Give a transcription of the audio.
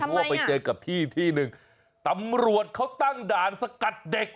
เพราะว่าไปเจอกับที่ที่หนึ่งตำรวจเขาตั้งด่านสกัดเด็ก